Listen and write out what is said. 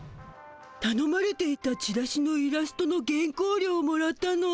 たのまれていたチラシのイラストの原こうりょうをもらったの。